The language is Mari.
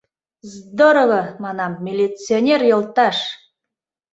— Здорово, манам, милиционер йолташ!